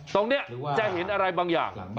ตรงนี้จะเห็นอะไรบางอย่าง